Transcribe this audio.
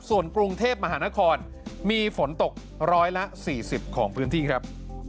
ส่วนกรุงเทพมหานครมีฝนตกร้อยละ๔๐ของพื้นที่ครับ